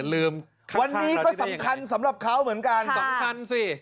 ลืมข้างเราที่ได้อย่างไรค่ะค่ะสำคัญสิ